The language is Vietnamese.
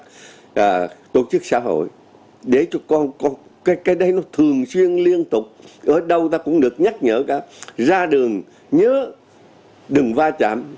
các tổ chức xã hội để cho con cái đấy nó thường xuyên liên tục ở đâu ta cũng được nhắc nhở cả ra đường nhớ đừng va chạm